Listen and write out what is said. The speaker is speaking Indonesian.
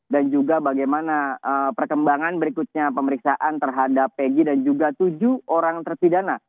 dan juga bagaimana perkembangan berikutnya pemeriksaan terhadap pegi dan juga tujuh orang tertidana